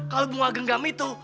kalau bunga genggam itu